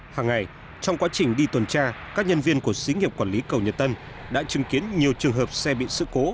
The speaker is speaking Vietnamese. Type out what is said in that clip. hàng ngày trong quá trình đi tuần tra các nhân viên của xí nghiệp quản lý cầu nhật tân đã chứng kiến nhiều trường hợp xe bị sự cố